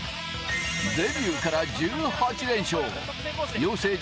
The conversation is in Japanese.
デビューから１８連勝、養成所